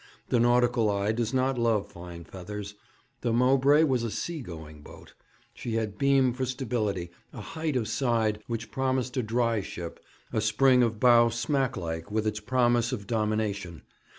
The nautical eye does not love fine feathers. The Mowbray was a sea going boat. She had beam for stability, a height of side which promised a dry ship, a spring of bow smack like with its promise of domination.